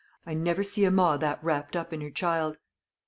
I never see a ma that rapt up in her child."